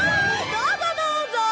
どうぞどうぞ！